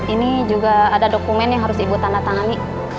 ini juga ada dokumen yang harus ibu tanda tangani